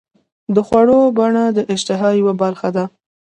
د خوړو بڼه د اشتها یوه برخه ده.